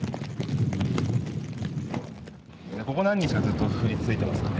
ここ何日かずっと降り続いてますね。